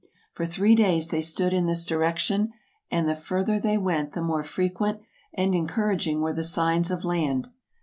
For three days they stood in this direction and the further they went the more frequent and encouraging were the signs of land.